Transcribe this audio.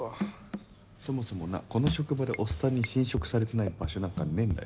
そもそもなこの職場でおっさんに侵食されてない場所なんかねえんだよ。